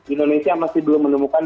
indonesia masih belum menemukan